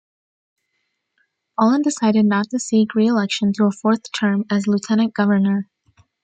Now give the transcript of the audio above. Fallin decided not to seek re-election to a fourth term as lieutenant governor.